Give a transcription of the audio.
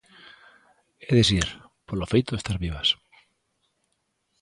É dicir, polo feito de estar vivas.